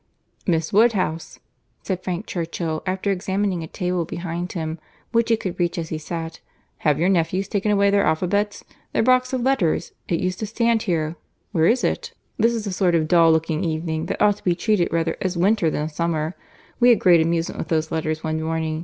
"Miss Woodhouse," said Frank Churchill, after examining a table behind him, which he could reach as he sat, "have your nephews taken away their alphabets—their box of letters? It used to stand here. Where is it? This is a sort of dull looking evening, that ought to be treated rather as winter than summer. We had great amusement with those letters one morning.